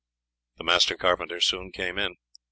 The master carpenter soon came in.